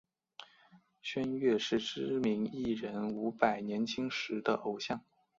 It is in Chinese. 薛岳是知名艺人伍佰年轻时的偶像。